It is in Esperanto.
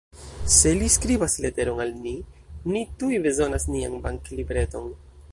Se li skribas leteron al ni, ni tuj bezonas nian banklibreton.